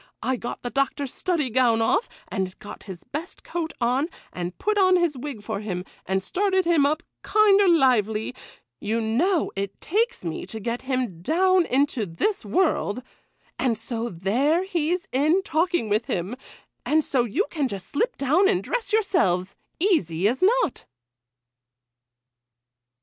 I got the Doctor's study gown off, and got his best coat on, and put on his wig for him, and started him up kinder lively,—you know it takes me to get him down into this world,—and so there he's in talking with him; and so you can just slip down and dress yourselves,—easy as not.